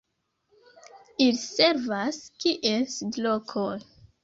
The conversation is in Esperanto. Ili servas kiel sidlokoj.